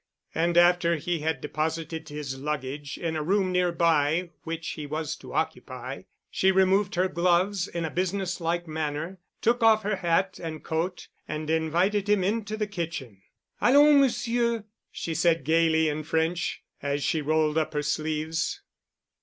And after he had deposited his luggage in a room nearby which he was to occupy, she removed her gloves in a business like manner, took off her hat and coat, and invited him into the kitchen. "Allons, Monsieur," she said gayly in French, as she rolled up her sleeves.